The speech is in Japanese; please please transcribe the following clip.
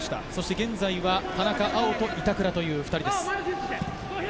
現在は田中碧と板倉の２人です。